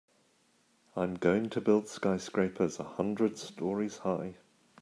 I'm going to build skyscrapers a hundred stories high.